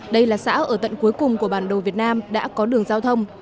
đây là xã ở tận cuối cùng của bản đồ việt nam đã có đường giao thông